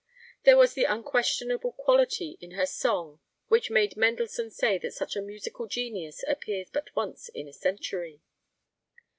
There was the unquestionable quality in her song which made Mendelssohn say that such a musical genius appears but once in a century.